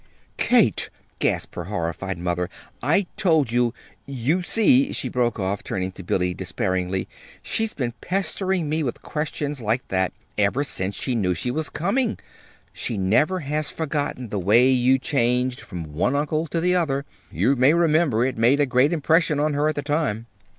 "Kate!" gasped her horrified mother. "I told you You see," she broke off, turning to Billy despairingly. "She's been pestering me with questions like that ever since she knew she was coming. She never has forgotten the way you changed from one uncle to the other. You may remember; it made a great impression on her at the time."